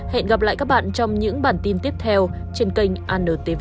hẹn gặp lại các bạn trong những bản tin tiếp theo trên kênh antv